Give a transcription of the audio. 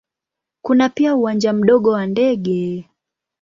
Kuna pia uwanja mdogo wa ndege.